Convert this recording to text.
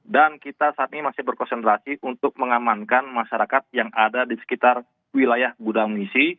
dan kita saat ini masih berkonsentrasi untuk mengamankan masyarakat yang ada di sekitar wilayah gudang munisi